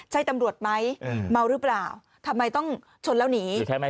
ใช่ตำรวจไหมเมาหรือเปล่าทำไมต้องชนแล้วหนีใช่ไหม